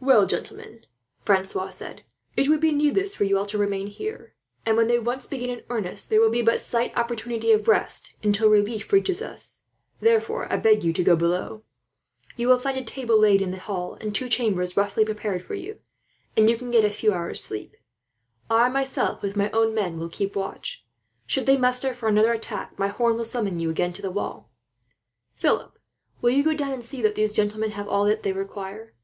"Well, gentlemen," Francois said, "it would be needless for you all to remain here; and when they once begin in earnest, there will be but slight opportunity of rest until relief reaches us. Therefore, I beg you to go below. You will find a table laid in the hall, and two chambers roughly prepared for you; and you can get a few hours' sleep. "I myself, with my own men, will keep watch. Should they muster for another attack, my horn will summon you again to the wall. "Philip, will you go down and see that these gentlemen have all that they require?